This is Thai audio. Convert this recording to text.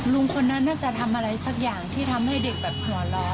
ลุงคนนั้นน่าจะทำอะไรสักอย่างที่ทำให้เด็กแบบหัวเราะ